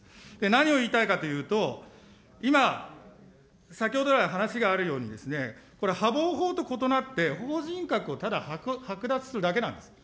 何を言いたいかというと、今、先ほど来、話があるように、これ、破防法と異なって、法人格をただ剥奪するだけなんです。